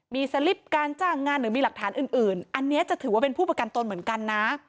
มีสลิปการจ้างงานหรือมีหลักฐานอื่นอันนี้จะถือว่าเป็นผู้ประกันตนเหมือนกันนะ